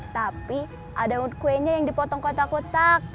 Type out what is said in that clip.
tapi ada kuenya yang dipotong kotak kotak